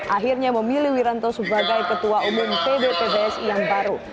akhirnya memilih wiranto sebagai ketua umum pdpbs yang baru